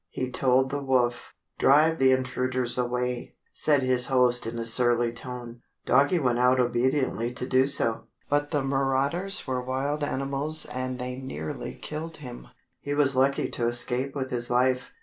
He told the wolf. "Drive the intruders away," said his host in a surly tone. Doggie went out obediently to do so. But the marauders were wild animals and they nearly killed him. He was lucky to escape with his life.